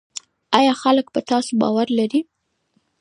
آیا خلک په تاسو باور لري؟